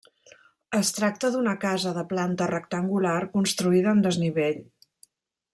Es tracta d'una casa de planta rectangular construïda en desnivell.